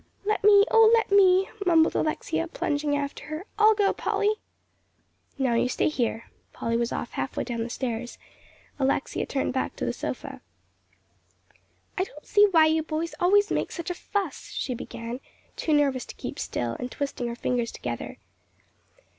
"Let me, oh, let me," mumbled Alexia, plunging after her. "I'll go, Polly." "No, you stay here." Polly was off halfway down the stairs. Alexia turned back to the sofa. "I don't see why you boys always make such a fuss," she began, too nervous to keep still, and twisting her fingers together.